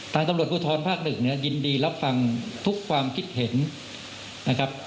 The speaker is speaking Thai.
ตำรวจภูทรภาคหนึ่งเนี่ยยินดีรับฟังทุกความคิดเห็นนะครับ